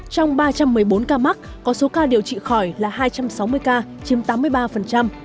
trong ba trăm một mươi bốn ca mắc có số ca điều trị khỏi là hai trăm sáu mươi ca chiếm tám mươi ba